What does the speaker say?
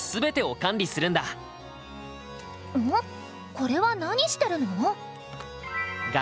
これは何してるの？